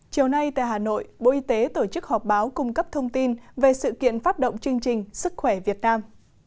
chiều nay tại hà nội bộ y tế tổ chức họp báo cung cấp thông tin về sự kiện phát động chương trình sức khỏe việt nam